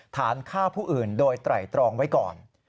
ฐานฆ่าผู้อื่นโดยไตรตรองไว้ก่อน